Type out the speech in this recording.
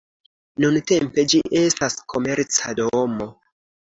Nuntempe ĝi estas komerca domo.